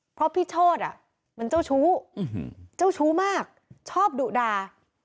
เพราะพี่โชธมันเจ้าชู้เจ้าชู้มากชอบดุดา